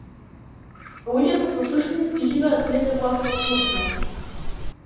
Луѓето што суштински живеат не се плашат од смртта.